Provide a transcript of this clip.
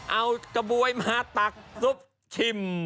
เอากระบวยมาตักซุปชิม